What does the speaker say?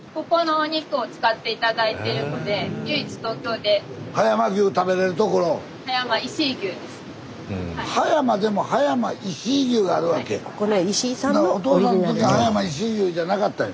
おとうさんの時葉山石井牛じゃなかったんや。